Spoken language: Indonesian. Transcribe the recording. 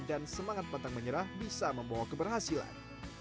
dan semangat pantang menyerah bisa membawa keberhasilan